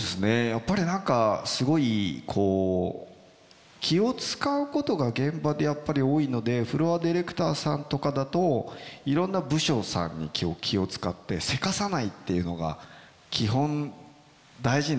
やっぱり何かすごい気を遣うことが現場で多いのでフロアディレクターさんとかだといろんな部署さんに気を遣ってせかさないっていうのが基本大事になってくるんですよ。